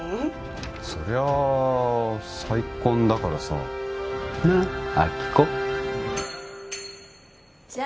そりゃ再婚だからさなっ亜希子じゃ